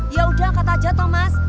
ya udah angkat aja toh mas